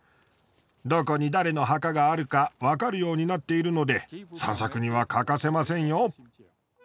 どこに誰の墓があるかわかるようになっているので散策には欠かせませんよ。